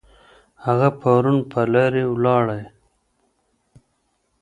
هغه پرون پر لارې ولاړی.